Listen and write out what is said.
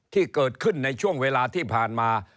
ที่เกิดขึ้นในช่วงเวลาที่ผ่านมา